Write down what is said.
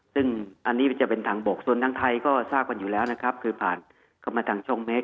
ซึ่งอันนี้มันจะเป็นทางบกส่วนทางไทยก็ทราบกันอยู่แล้วนะครับคือผ่านเข้ามาทางช่องเมส